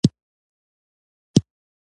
خورا عزت یې وکړ او مېوې یې راوړې.